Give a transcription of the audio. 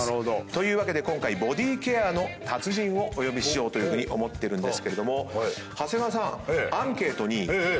というわけで今回ボディーケアの達人をお呼びしようと思ってるんですが長谷川さん。